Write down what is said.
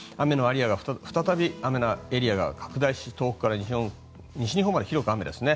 再び雨のエリアが拡大し東北から西日本まで広く雨ですね。